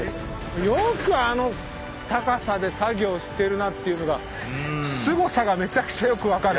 よくあの高さで作業してるなっていうのがすごさがめちゃくちゃよく分かる。